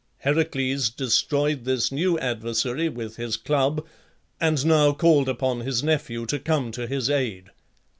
Heracles destroyed this new adversary with his club, and now called upon his nephew to come to his aid.